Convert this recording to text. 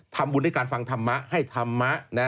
ทำบุญด้วยการฟังธรรมะให้ธรรมะ